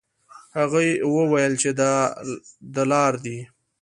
هغه وویل چې دلار دي.